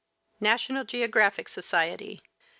NATIONAL GEOGRAPHIC SOCIETY.